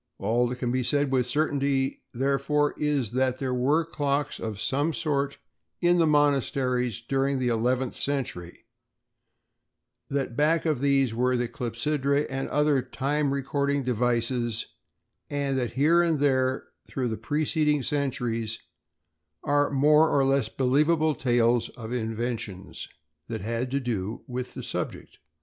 All that can with certainty be said, therefore, is that there were clocks of some sort in the monasteries during the eleventh century; that back of these were the clepsydræ and other time recording devices; and that here and there through the preceding centuries are more or less believable tales of inventions that had to do with the subject.